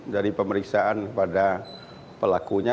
dari pemeriksaan pada pelakunya